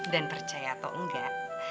dan percaya atau enggak